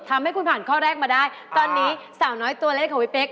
ทำให้คุณผ่านข้อแรกมาได้ตอนนี้สาวน้อยตัวเล็กของพี่เป๊ก